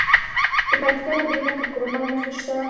د پکتیکا په دیله کې د کرومایټ نښې شته.